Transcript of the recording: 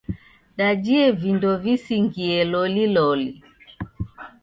Dajie vindo visingie loliloli.